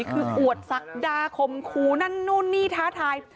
คืออวดศักดาคมคูนั่นนู่นนี่ท้าทาย